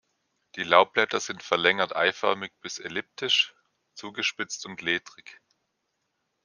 Die Laubblätter sind verlängert-eiförmig bis elliptisch, zugespitzt und ledrig.